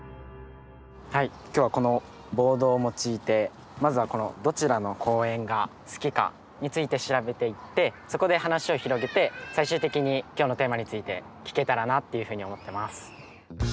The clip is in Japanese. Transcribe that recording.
はい今日はこのボードを用いてまずはこのどちらの公園が好きかについて調べていってそこで話を広げて最終的に今日のテーマについて聞けたらなっていうふうに思ってます。